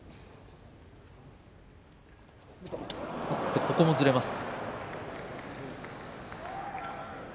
ここもずれました。